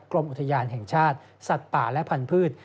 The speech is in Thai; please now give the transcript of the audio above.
กรมอุทยานแห่งชาติสัตว์ป่าและพันธุ์